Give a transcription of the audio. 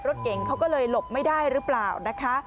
รถเก่งเขาก็เลยหลบไม่ได้หรือเปล่านะคะ